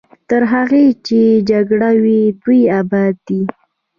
تر هغې چې جګړه وي دوی اباد دي.